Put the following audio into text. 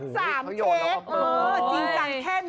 เอาไว้เดี๋ยวพึ่ง